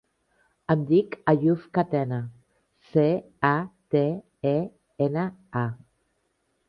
Em dic Àyoub Catena: ce, a, te, e, ena, a.